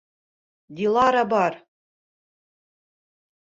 Дилара бар.